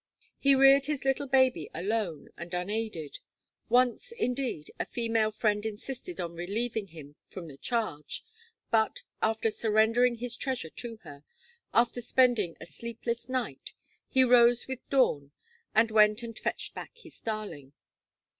He reared his little baby alone and unaided. Once, indeed, a female friend insisted on relieving him from the charge; but, after surrendering his treasure to her, after spending a sleepless night, he rose with dawn, and went and fetched back his darling.